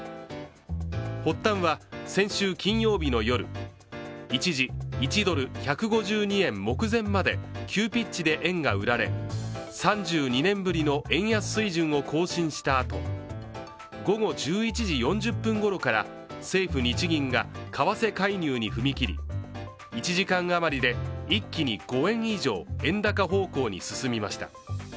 発端は、先週金曜日の夜、一時、１ドル＝１５２円目前まで急ピッチで円が売られ３２年ぶりの円安水準を更新したあと午後１１時４０分ごろから政府日銀が為替介入に踏み切り、１時間あまりで一気に５円以上円高方向に進みました、